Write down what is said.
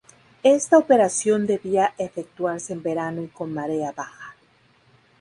Esta operación debía efectuarse en verano y con marea baja.